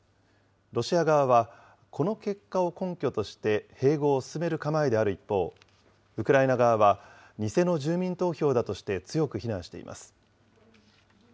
ロシア側は、この結果を根拠として併合を進める構えである一方、ウクライナ側は偽の住民投票だとして強く非難しています。